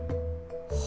は？